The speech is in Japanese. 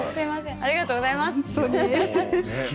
ありがとうございます。